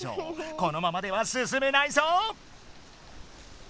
このままではすすめないぞ！